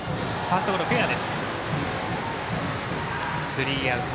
スリーアウト。